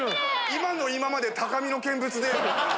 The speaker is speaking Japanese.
今の今まで高みの見物で。